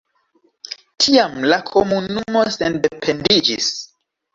Tiam la komunumo sendependiĝis.